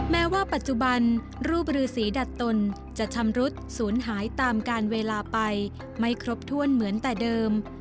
แม้ว่าปัจจุบันรูปรือสีดัดตนจะชำรุดศูนย์หายตามการเวลาไปไม่ครบถ้วนเหมือนแต่เดิม